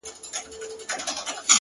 • ولي مي هره شېبه هر ساعت پر اور کړوې؛